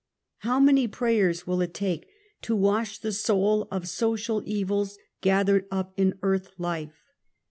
How many prayers will it take to wash the soul of social evils gathered up in earth life